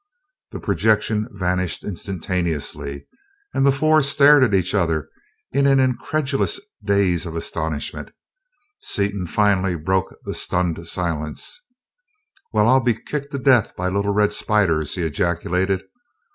The projection vanished instantaneously, and the four stared at each other in an incredulous daze of astonishment. Seaton finally broke the stunned silence. "Well, I'll be kicked to death by little red spiders!" he ejaculated.